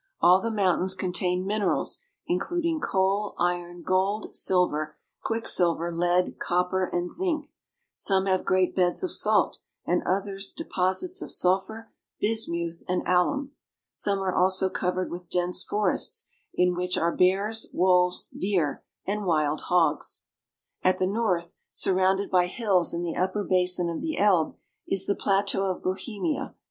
All the mountains contain min erals, including coal, iron, gold, silver, quicksilver, lead, copper, and zinc. Some have great beds of salt and others deposits of sulphur, bismuth, and alum. Some are also covered with dense forests, in which are bears, wolves, deer, and wild hogs. At the north, surrounded by hills in the upper basin of the Elbe, is the plateau of Bohemia.